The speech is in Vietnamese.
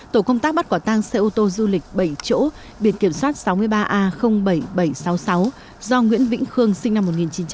tổ công tác bắt quả tang xe ô tô du lịch bảy chỗ biển kiểm soát sáu mươi ba a bảy nghìn bảy trăm sáu mươi sáu do nguyễn vĩnh khương sinh năm một nghìn chín trăm tám mươi